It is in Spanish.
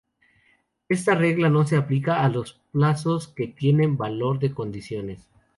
Esta regla no se aplica a los plazos que tienen valor de condiciones.